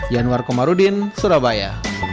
januar komarudin surabaya